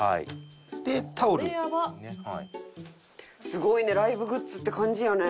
すごいねライブグッズって感じやね。